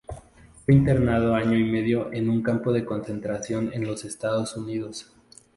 Fue internado año y medio en un campo de concentración en los Estados Unidos.